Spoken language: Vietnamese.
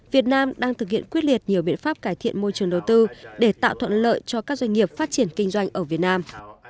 việt nam đang thực hiện quyết liệt nhiều biện pháp cải thiện môi trường đầu tư để tạo thuận lợi cho các doanh nghiệp phát triển kinh doanh ở việt nam